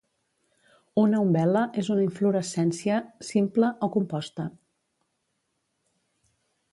Una umbel·la és una inflorescència simple o composta.